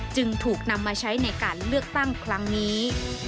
จึงถูกนำมาใช้ในการเลือกตั้งครั้งนี้